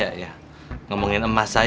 pergi kementerian mesir